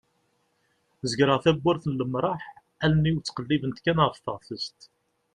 zegreɣ tawwurt n lemraḥ allen-iw ttqellibent kan ɣef teɣtest